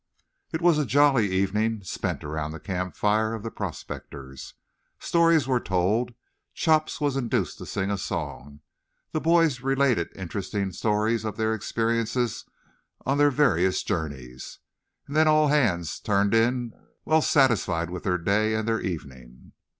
It was a jolly evening spent around the campfire of the prospectors. Stories were told, Chops was induced to sing a song, the boys related interesting stories of their experiences on their various journeys, then all hands turned in well satisfied with their day and their evening.